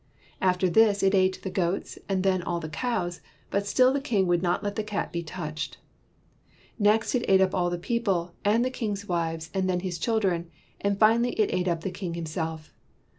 ' After this it ate the goats, and then all the cows; but still the king would not let the cat be touched. Next it ate up all the people, and the king 's wives, and then his children, and finally it ate up the king himself.